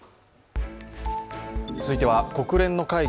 続いては国連の会議